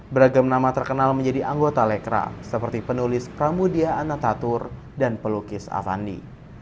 beragam nama terkenal menjadi anggota lekra seperti penulis pramudia anantatur dan pelukis avandi